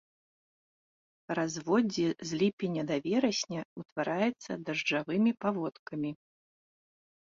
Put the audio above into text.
Разводдзе э ліпеня да верасня, утвараецца дажджавымі паводкамі.